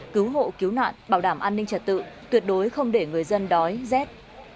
cứu hộ cứu nạn bảo đảm an ninh trật tự tuyệt đối không để người dân đói rét